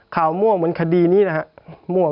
ข่าวมั่วเหมือนคดีนี้นะครับ